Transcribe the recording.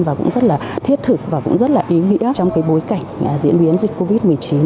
và cũng rất là thiết thực và cũng rất là ý nghĩa trong cái bối cảnh diễn biến dịch covid một mươi chín